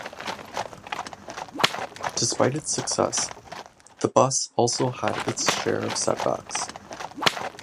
Despite its success, TheBus also had its share of setbacks.